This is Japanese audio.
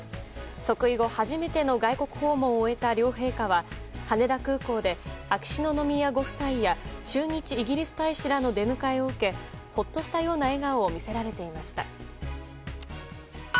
即位後初めての外国訪問を終えた両陛下は羽田空港で秋篠宮ご夫妻や駐日イギリス大使らの出迎えを受けほっとしたような笑顔を見せられていました。